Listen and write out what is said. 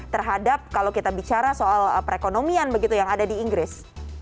terhadap kalau kita bicara soal perekonomian begitu yang ada di inggris